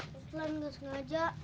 nuslan gak sengaja